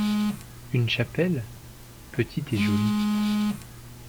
une chapelle, petite et jolie.